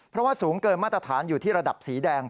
เพราะว่าสูงเกินมาตรฐานอยู่ที่ระดับสีแดง